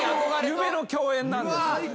夢の共演なんです。